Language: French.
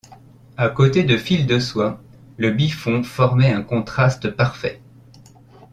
À côté de Fil-de-Soie, le Biffon formait un contraste parfait.